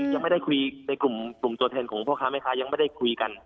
ยังไม่ได้คุยในกลุ่มกลุ่มโจทย์แทนของพ่อค้าไหมคะยังไม่ได้คุยกัน